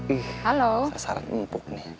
ih sasaran empuk nih